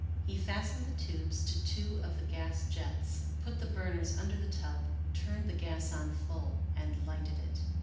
He fastened the tubes to two of the gas jets, put the burners under the tub, turned the gas on full, and lighted it.